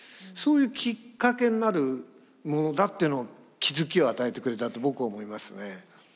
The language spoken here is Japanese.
そういうきっかけになるものだというのを気付きを与えてくれたと僕は思いますね。